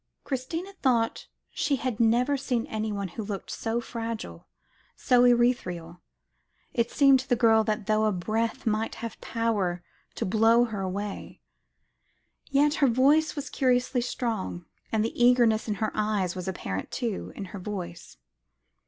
Christina thought she had never seen anyone who looked so fragile, so ethereal; it seemed to the girl as though a breath might have power to blow her away. Yet her voice was curiously strong, and the eagerness in her eyes was apparent, too, in her voice.